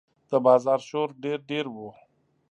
د بازار شور ډېر ډېر و.